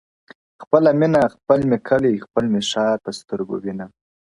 خپله مېنه خپل مي کلی خپل مي ښار په سترګو وینم -